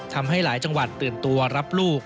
ทำให้หลายจังหวัดตื่นตัวรับลูก